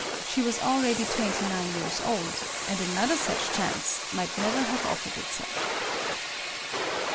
She was already twenty nine years old ;— another such chance might never have offered itself.